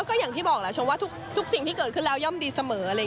ก็อย่างที่บอกแล้วชมว่าทุกสิ่งที่เกิดขึ้นแล้วย่อมดีเสมอ